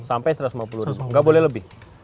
sampai satu ratus lima puluh ribu nggak boleh lebih